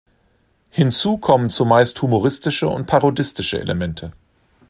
Hinzu kommen zumeist humoristische und parodistische Elemente.